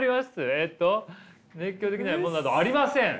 えっと「熱狂できないものなどありません」。